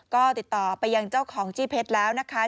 ก็ติดต่อไปยังเจ้าของจี้เพชรแล้วนะคะ